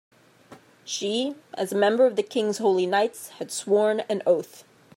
She, as a member of the king's holy knights, had sworn an oath.